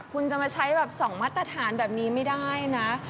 คุณจะมาใช้แบบ๒มาตรฐานแบบนี้ไม่ได้นะ